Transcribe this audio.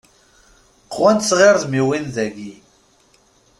Qwant tɣirdmiwin dagi.